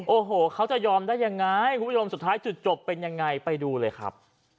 โอ้โหเขาจะยอมได้ยังไงคุณผู้ชมสุดท้ายจุดจบเป็นยังไงไปดูเลยครับ